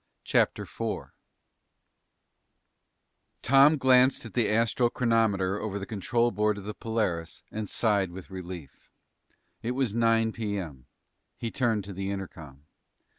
CHAPTER 4 Tom glanced at the astral chronometer over the control board of the Polaris and sighed with relief. It was nine P.M. He turned to the intercom.